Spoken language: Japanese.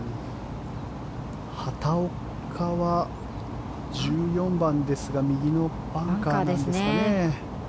畑岡は１４番ですが右のバンカーなんですかね。